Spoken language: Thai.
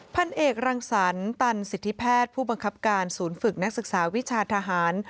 พันเอกรังสรรตันสิทธิแพทย์ผู้บังคับการศูนย์ฝึกนักศึกษาวิชาทหาร